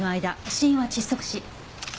死因は窒息死。